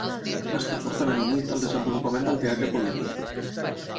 Va estar fortament unit al desenvolupament del teatre polític.